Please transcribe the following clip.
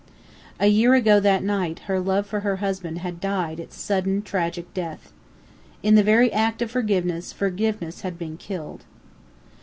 A year ago that night her love for her husband had died its sudden, tragic death. In the very act of forgiveness, forgiveness had been killed.